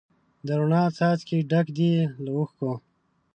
د روڼا څاڅکي ډک دي له اوښکو